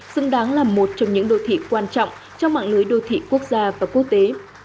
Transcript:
xứng đáng là một trong những đô thị quan trọng trong mạng lưới đô thị quốc gia và quốc tế